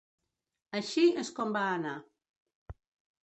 "així és com va anar".